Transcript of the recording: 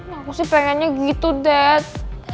aku sih pengennya gitu des